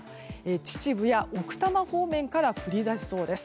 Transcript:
秩父や奥多摩方面から降り出しそうです。